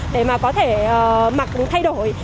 để mà có thể mặc thay đổi